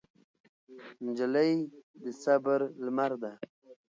نجلۍ د صبر لمر ده.